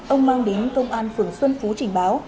ông mang đến công an phường xuân phú trình báo